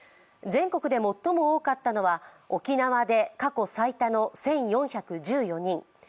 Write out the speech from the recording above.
全国で最も多かったのは沖縄で過去最多の１４１４人。